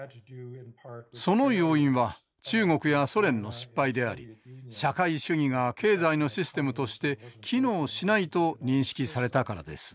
その要因は中国やソ連の失敗であり社会主義が経済のシステムとして機能しないと認識されたからです。